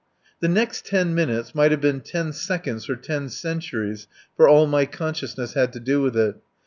The next ten minutes might have been ten seconds or ten centuries for all my consciousness had to do with it.